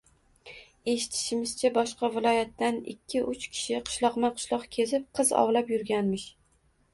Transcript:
Eshitishimizcha, boshqa viloyatdan ikki-uch kishi qishloqma-qishloq kezib, qiz "ovlab" yurganmish